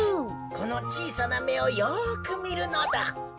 このちいさなめをよくみるのだ。